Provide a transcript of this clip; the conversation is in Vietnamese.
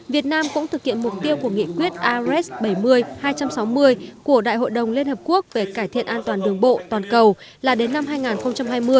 việt nam cũng thực hiện mục tiêu của nghị quyết ares bảy mươi hai trăm sáu mươi của đại hội đồng liên hợp quốc về cải thiện an toàn đường bộ toàn cầu là đến năm hai nghìn hai mươi